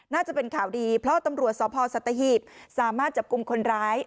น่าจะเป็นข่าวดีเพราะตำรวจสพสัตหีบสามารถจับกลุ่มคนร้าย